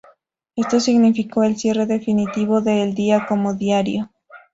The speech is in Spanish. Esto significó el cierre definitivo de El Día como diario.